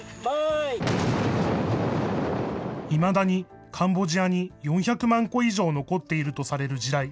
いまだにカンボジアに４００万個以上残っているとされる地雷。